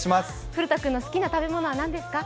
古田君の好きな食べ物は何ですか？